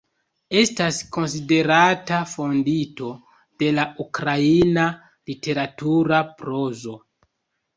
Estas konsiderata fondinto de la ukraina literatura prozo.